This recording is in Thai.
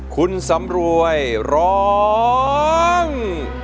คุณสำรวยร้อง